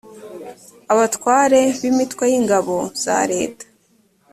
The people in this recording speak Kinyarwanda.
abatware b b imitwe y ingabo za leta